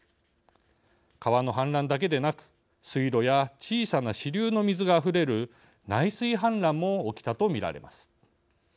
川の氾濫だけでなく水路や小さな支流の水があふれる内水氾濫も起きたとみられます。